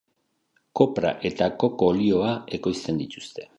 Kopra eta koko olioa ekoizten dituzte.